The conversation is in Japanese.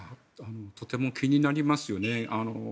とても気になりますよね。